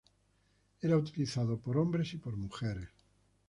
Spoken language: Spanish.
Era utilizado por hombres y por mujeres.